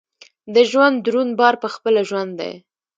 د ژوند دروند بار پخپله ژوند دی.